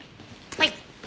はい。